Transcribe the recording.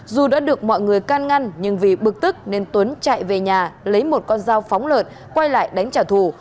dù đã được mọi người can ngăn nhưng vì bực tức nên tuấn chạy về nhà lấy một con dao phóng lợn quay lại đánh trả thù